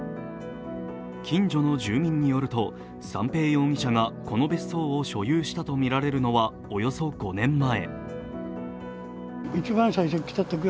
近所の住民によると三瓶容疑者がこの別荘を所有したとみられるのはおよそ５年前。